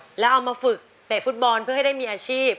แล้วเอามาฝึกเตะฟุตบอลเพื่อให้ได้มีอาชีพ